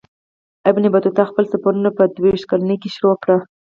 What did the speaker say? ابن بطوطه خپل سفرونه په دوه ویشت کلنۍ پیل کړي.